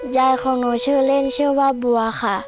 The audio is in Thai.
ยายของหนูชื่อเล่นชื่อว่าบัวค่ะ